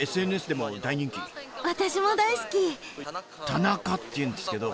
タナカっていうんですけど。